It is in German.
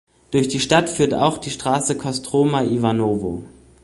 Durch die Stadt führt auch die Straße Kostroma–Iwanowo.